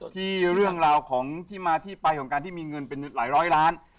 ที่เรื่องราวของที่มาที่ไปของการที่มีเงินเป็นหลายร้อยล้าน